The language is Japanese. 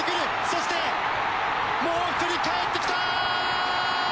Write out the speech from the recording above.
そしてもう一人かえってきた！